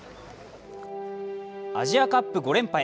アジアカップ５連覇へ。